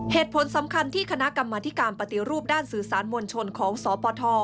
เหตุผลสำคัญที่คณะกรรมธิการปฏิรูปด้านสื่อสารมวลชนของสปท